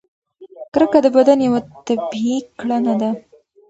کرکه د بدن یوه طبیعي کړنه ده.